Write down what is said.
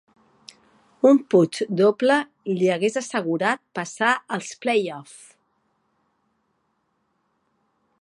Un putt doble li hagués assegurat passar als playoff.